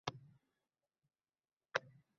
U ko'chada yugurib ketayotgan Ismoilni ko'rib qoldi.